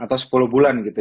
atau sepuluh bulan gitu